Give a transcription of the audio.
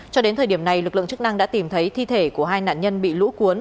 cho đến thời điểm này lực lượng chức năng đã tìm thấy thi thể của hai nạn nhân bị lũ cuốn